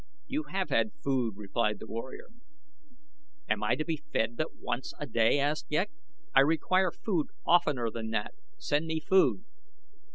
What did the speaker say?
"You have had food," replied the warrior. "Am I to be fed but once a day?" asked Ghek. "I require food oftener than that. Send me food."